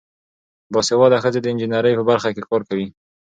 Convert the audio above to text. باسواده ښځې د انجینرۍ په برخه کې کار کوي.